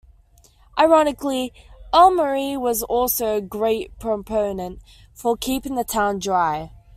Ironically, ElMarie was also a great proponent for keeping the town dry.